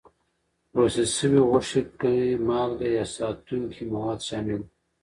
پروسس شوې غوښې کې مالکه یا ساتونکي مواد شامل وي.